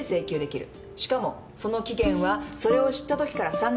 しかもその期限はそれを知ったときから３年。